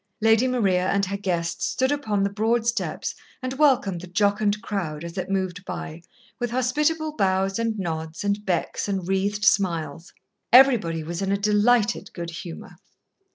Lady Maria and her guests stood upon the broad steps and welcomed the jocund crowd, as it moved by, with hospitable bows and nods and becks and wreathed smiles. Everybody was in a delighted good humour.